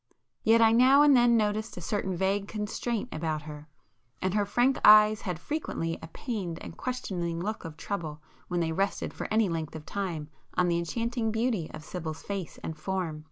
Yet I now and then noticed a certain vague constraint about her,—and her frank eyes had frequently a pained and questioning look of trouble when they rested for any length of time on the enchanting beauty of Sibyl's face and form.